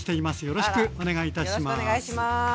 よろしくお願いします。